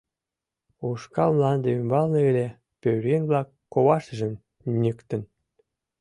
Ушкал мланде ӱмбалне ыле, пӧръеҥ-влак коваштыжым ньыктын.